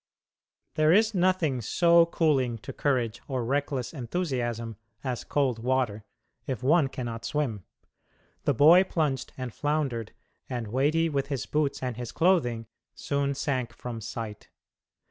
There is nothing so cooling to courage or reckless enthusiasm as cold water if one cannot swim. The boy plunged and floundered, and weighty with his boots and his clothing, soon sank from sight.